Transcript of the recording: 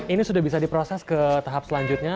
ini sudah bisa diproses ke tahap selanjutnya